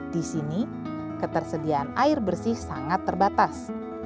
di sini ketersediaan air bersih sangat terbatas